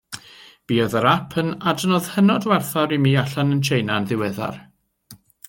Buodd yr ap yn adnodd hynod werthfawr i mi allan yn Tsieina yn ddiweddar.